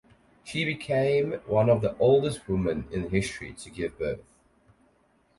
She became one of the oldest women in history to give birth.